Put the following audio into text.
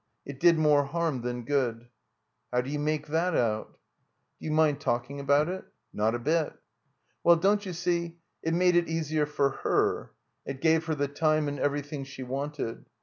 It did more harm than good." "How do you make that out?" 32.3 it THE COMBINED MAZE "D'you mind talking about it?" ''Not a bit." ''Well, don't you see — it made it easier for her. It gave her the time and everything she wanted.